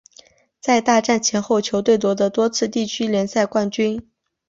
在大战前后球队夺得多次地区联赛冠军。